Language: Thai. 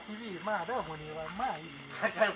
ใครใครพูดอย่างเอง